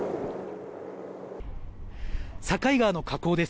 境川の河口です。